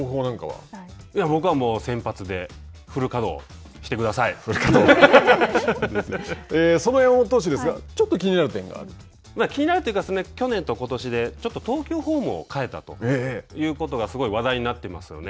僕はもう先発でその山本投手ですが気になるというか去年とことしで、ちょっと投球フォームを変えたということがすごい話題になっていますよね。